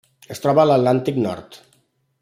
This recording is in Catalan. Es troba a l'Atlàntic Nord.